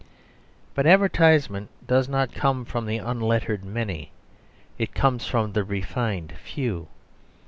But advertisement does not come from the unlettered many. It comes from the refined few.